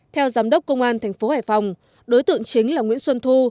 theo giám đốc công an tp hải phòng đối tượng chính là nguyễn xuân thu